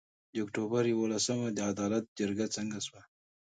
د اُکټوبر یولسمه د عدالت جرګه څنګه سوه؟